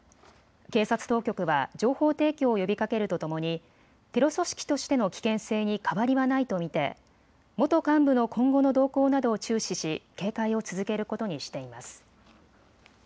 警察当局は情報提供を呼びかけるとともにテロ組織としての危険性に変わりはないと見て元幹部の今後の動向などを注視し警戒を続けることにしています。